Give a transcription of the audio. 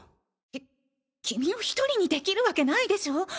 き君を１人にできるわけないでしょ。